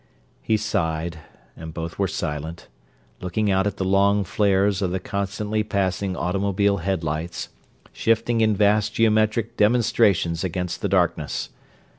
He sighed; and both were silent, looking out at the long flares of the constantly passing automobile headlights, shifting in vast geometric demonstrations against the darkness.